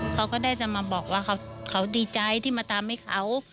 เขาก็ได้จะมาบอกว่าเขาดีใจที่มาทำให้เขา